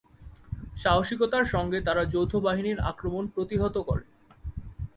সাহসিকতার সঙ্গে তারা যৌথ বাহিনীর আক্রমণ প্রতিহত করে।